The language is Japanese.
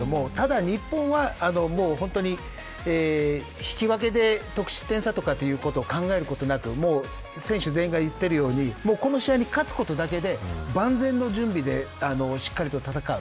それは、日本にとってはありがたいですが日本は引き分けで得失点差ということを考えることなく選手全員が言ってるようにこの試合に勝つことだけで万全の準備でしっかりと戦う。